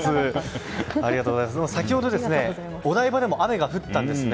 先ほど、お台場でも雨が降ったんですね。